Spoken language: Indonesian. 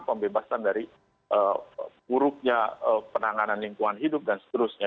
pembebasan dari buruknya penanganan lingkungan hidup dan seterusnya